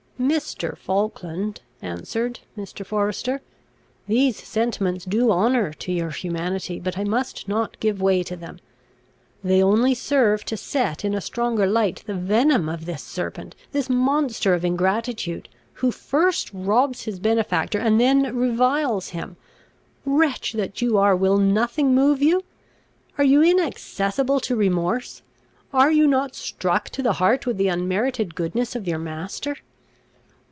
"Mr. Falkland," answered Mr. Forester, "these sentiments do honour to your humanity; but I must not give way to them. They only serve to set in a stronger light the venom of this serpent, this monster of ingratitude, who first robs his benefactor, and then reviles him. Wretch that you are, will nothing move you? Are you inaccessible to remorse? Are you not struck to the heart with the unmerited goodness of your master?